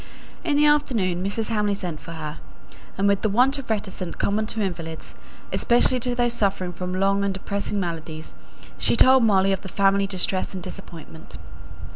In the afternoon Mrs. Hamley sent for her, and with the want of reticence common to invalids, especially to those suffering from long and depressing maladies, she told Molly of the family distress and disappointment.